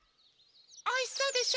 おいしそうでしょ？